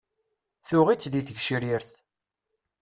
Tuɣ-itt di tgecrirt.